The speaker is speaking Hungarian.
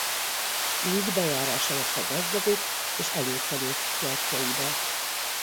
Így bejárása lett a gazdagok és előkelők kertjeibe.